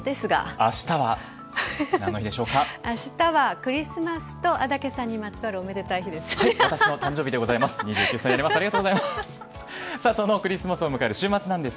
明日はクリスマスと安宅さんにまつわる私の誕生日です。